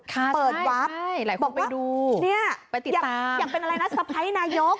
ค่ะใช่หลายคนไปดูไปติดตามบอกว่าเนี่ยอยากเป็นอะไรนะสะพ้ายนายก